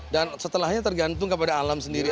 dan setelahnya tergantung kepada alam sendiri